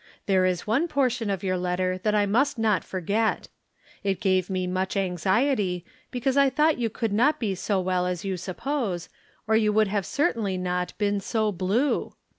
There is one portion of your letter that I must not forget. It gave me much anxiety, because I thought you could not be so well as you suppose, or you would have certainly not been so "blue."